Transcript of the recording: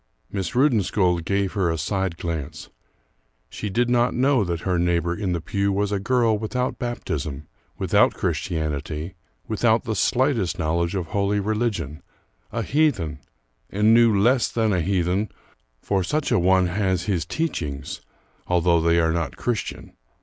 Miss Rudensköld gave her a side glance; she did not know that her neighbor in the pew was a girl without baptism, without Christianity, without the slightest knowledge of holy religion, a heathen and knew less than a heathen, for such a one has his teachings, although they are not Christian.